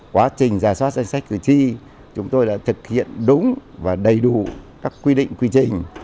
quá trình giả soát danh sách cử tri chúng tôi đã thực hiện đúng và đầy đủ các quy định quy trình